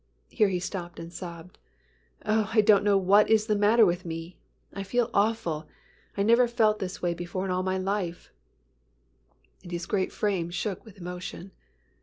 Here he stopped and sobbed, "Oh, I don't know what is the matter with me. I feel awful. I never felt this way before in all my life," and his great frame shook with emotion.